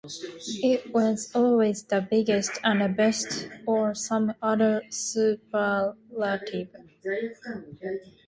It was always the biggest and the best or some other superlative.